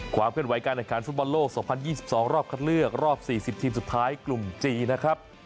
ความขึ้นไหวการอันการฟุตบอลโลกสองพันยี่สิบสองรอบคัดเลือกรอบสี่สิบทีมสุดท้ายกลุ่มจีนะครับ